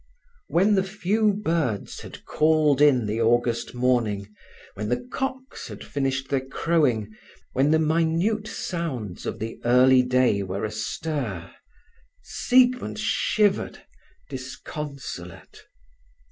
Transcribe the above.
When the few birds had called in the August morning, when the cocks had finished their crowing, when the minute sounds of the early day were astir, Siegmund shivered disconsolate.